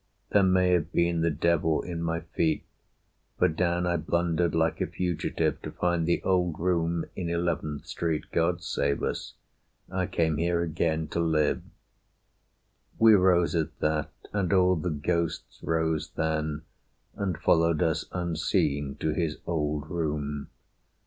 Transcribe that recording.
"There may have been the devil in my feet, For down I blundered, like a fugitive, To find the old room in Eleventh Street. God save us! I came here again to live." We rose at that, and all the ghosts rose then, And followed us unseen to his old room.